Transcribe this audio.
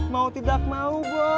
mau tidak mau bos